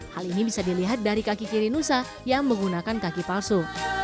hal ini bisa dilihat dari kaki kiri nusa yang menggunakan kaki palsu